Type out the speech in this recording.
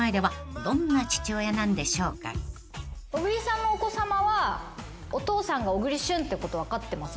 ［では］小栗さんのお子さまはお父さんが小栗旬ってこと分かってます？